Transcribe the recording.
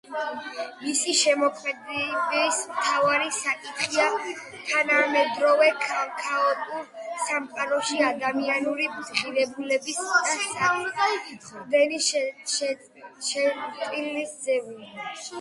მისი შემოქმედების მთავარი საკითხია თანამედროვე ქაოტურ სამყაროში ადამიანური ღირებულებებისა და საყრდენი წერტილის ძიება.